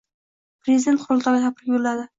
Prezident qurultoyga tabrik yo‘lladi